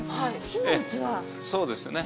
そうですね。